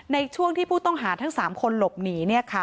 ในช่วงที่ผู้ต้องหาทั้ง๓คนหลบหนี